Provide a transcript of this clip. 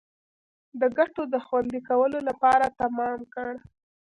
د ګټو د خوندي کولو لپاره تمام کړ.